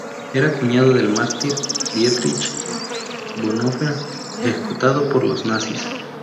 Era cuñado del mártir Dietrich Bonhoeffer, ejecutado por los nazis.